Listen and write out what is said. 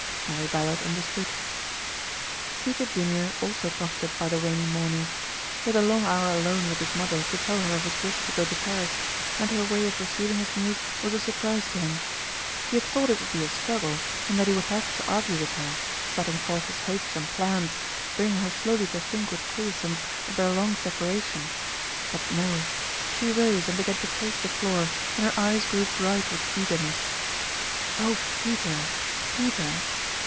Mary Ballard understood. Peter Junior also profited by the rainy morning. He had a long hour alone with his mother to tell her of his wish to go to Paris; and her way of receiving his news was a surprise to him. He had thought it would be a struggle and that he would have to argue with her, setting forth his hopes and plans, bringing her slowly to think with quiescence of their long separation: but no. She rose and began to pace the floor, and her eyes grew bright with eagerness. "Oh, Peter, Peter!"